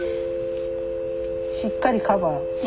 しっかりカバー。